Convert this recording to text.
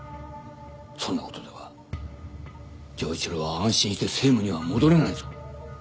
そんなことでは城一郎は安心して政務には戻れないぞ。